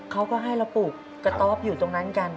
เขาก็ให้เราปลูกกระต๊อบอยู่ตรงนั้นกัน